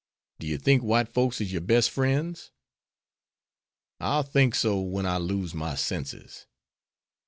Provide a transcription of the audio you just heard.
"Do you think white folks is your bes' friends?" "I'll think so when I lose my senses."